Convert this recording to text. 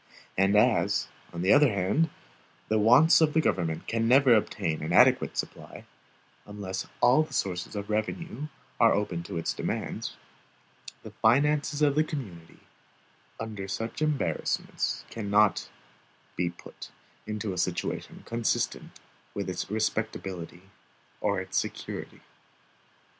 And as, on the other hand, the wants of the government can never obtain an adequate supply, unless all the sources of revenue are open to its demands, the finances of the community, under such embarrassments, cannot be put into a situation consistent with its respectability or its security.